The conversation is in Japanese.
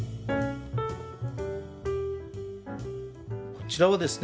こちらはですね